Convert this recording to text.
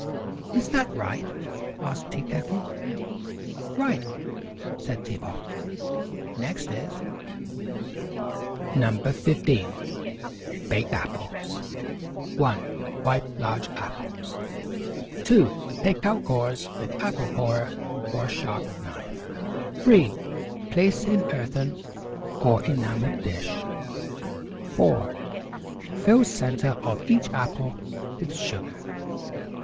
"Is that right?" asked Tea Kettle. "Right," said Tea Pot. "Next is NO. 15. BAKED APPLES. 1. Wipe large apples. 2. Take out cores with apple corer or sharp knife. 3. Place in earthen or enamel dish. 4. Fill center of each apple with sugar.